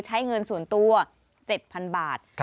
ใช้เงินส่วนตัว๗๐๐๐บาท